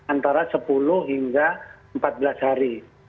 antara sepuluh hingga empat belas hari